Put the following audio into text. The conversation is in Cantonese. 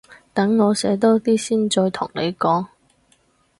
等我寫多啲先再同你講